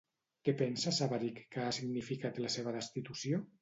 Què pensa Sabarich que ha significat la seva destitució?